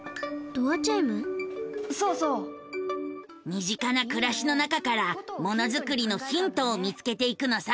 身近な暮らしの中からものづくりのヒントを見つけていくのさ。